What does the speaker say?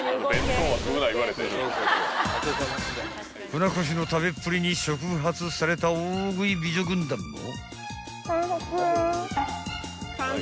［船越の食べっぷりに触発された大食い美女軍団も］